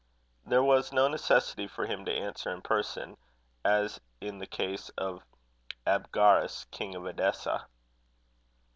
There was no necessity for him to answer in person, as in the case of Abgarus, king of Edessa.